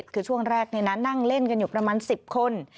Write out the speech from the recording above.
คือช่วงแรกนั่งเล่นกันอยู่ประมาณ๑๐คน